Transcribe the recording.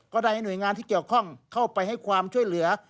ได้ให้หน่วยงานที่เกี่ยวข้องเข้าไปให้ความช่วยเหลือ